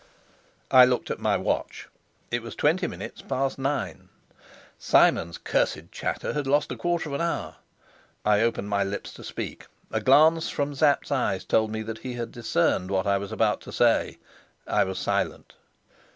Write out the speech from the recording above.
I looked at my watch. It was twenty minutes past nine. Simon's cursed chatter had lost a quarter of an hour. I opened my lips to speak. A glance from Sapt's eyes told me that he discerned what I was about to say. I was silent.